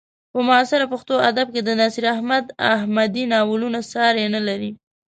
په معاصر پښتو ادب کې د نصیر احمد احمدي ناولونه ساری نه لري.